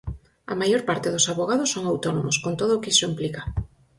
A maior parte dos avogados son autónomos, con todo o que iso implica.